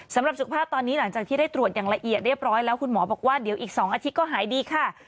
สำหรับสุขภาพตอนนี้หลังจากที่ได้ตรวจอย่างละเอียดเรียบร้อยแล้วคุณหมอบอกว่าเดี๋ยวอีก๒อาทิตย์ก็หายดีค่ะ